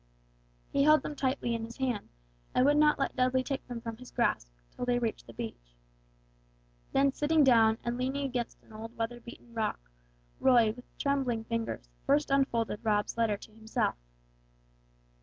He held them tightly in his hand, and would not let Dudley take them from his grasp, till they reached the beach. Then sitting down and leaning against an old weather beaten rock, Roy, with trembling fingers, first unfolded Rob's letter to himself.